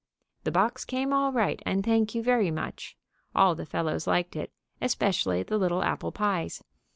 The box came all right, and thank you very much. All the fellows liked it, especially the little apple pies.